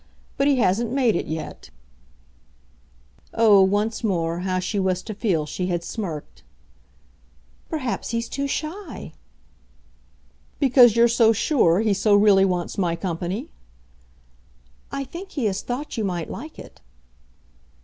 But he hasn't made it yet." Oh, once more, how she was to feel she had smirked! "Perhaps he's too shy!" "Because you're so sure he so really wants my company?" "I think he has thought you might like it."